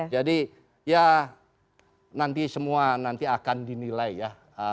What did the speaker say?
jadi ya nanti semua akan dinilai ya